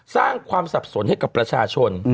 สร้างความสับสนให้กับประชาชน